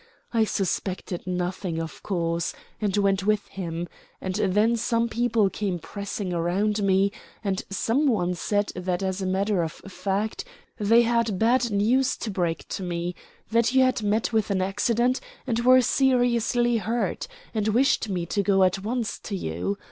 I suspected nothing, of course, and went with him, and then some people came pressing round me, and some one said that as a matter of fact they had bad news to break to me that you had met with an accident and were seriously hurt, and wished me to go at once to you.